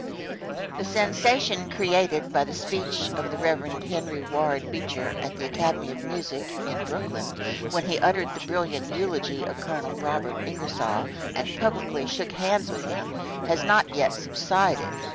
*[* The sensation created by the speech of the Rev. Henry Ward Beecher at the Academy of Music, in Brooklyn, when he uttered a brilliant eulogy of Col. Robert Ingersoll and publicly shook hands with him has not yet subsided.